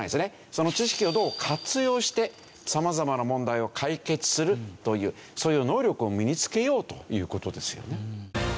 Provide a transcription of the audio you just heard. その知識をどう活用して様々な問題を解決するというそういう能力を身につけようという事ですよね。